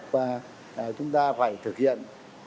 và chúng ta phải thực hiện